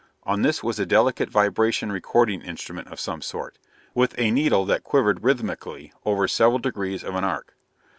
On this was a delicate vibration recording instrument of some sort, with a needle that quivered rhythmically over several degrees of an arc.